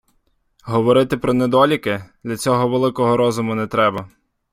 Говорити про недоліки — для цього великого розуму не треба.